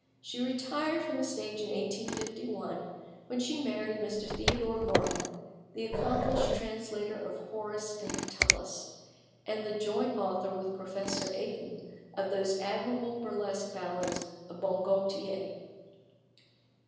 She retired from the stage in 1851, when she married Mr. Theodore Martin, the accomplished translator of Horace and Catullus, and the joint author with Professor Aytoun of those admirable burlesque ballads of "Bon Gaultier."